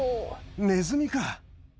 ネズミか。